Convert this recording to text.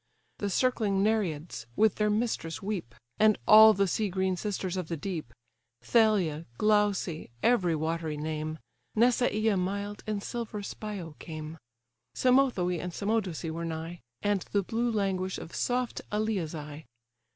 The circling Nereids with their mistress weep, And all the sea green sisters of the deep. Thalia, Glauce (every watery name), Nesaea mild, and silver Spio came: Cymothoe and Cymodoce were nigh, And the blue languish of soft Alia's eye.